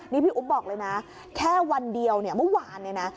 นี่พี่อุ๊บบอกเลยนะแค่วันเดียวเนี่ยเมื่อวานเนี่ยนะ